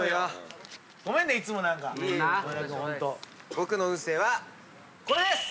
僕の運勢はこれです！